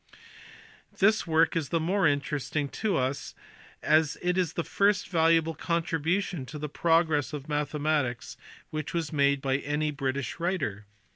This work is the more interesting to us as it is the first valuable contribution to the progress of mathematics which was made by any British writer.